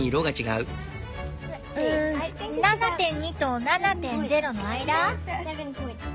うん７．２と７．０の間？